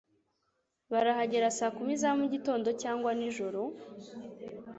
Barahagera saa kumi za mugitondo cyangwa nijoro?